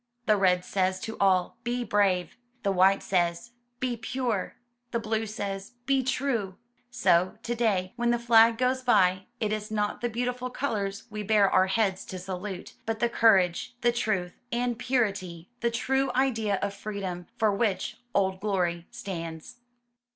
The red says to all, "Be brave!" The white says, "Be pure!" The blue says, "Be true!" So to day when the flag goes by, it is not the beautiful colors we bare our heads to salute, but the courage, the truth, and purity, the true idea of freedom, for which "Old Glory" stands.